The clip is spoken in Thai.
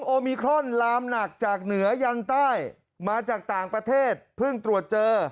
โอมิครอนลามหนักจากเหนือยันใต้มาจากต่างประเทศเพิ่งตรวจเจอ